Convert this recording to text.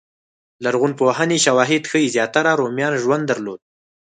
لرغونپوهنې شواهد ښيي زیاتره رومیانو ژوند درلود